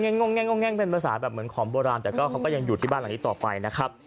งงเป็นภาษาแบบเหมือนของโบราณแต่ก็เขาก็ยังอยู่ที่บ้านหลังนี้ต่อไปนะครับ